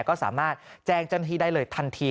ก็สามารถแจ้งจนทีได้เลยทันที